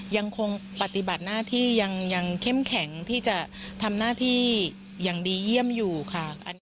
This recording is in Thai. ยังคงปฏิบัติหน้าที่ยังเข้มแข็งที่จะทำหน้าที่อย่างดีเยี่ยมอยู่ค่ะ